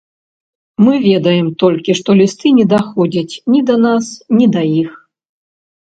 Мы ведаем толькі, што лісты не даходзяць ні да нас, ні да іх.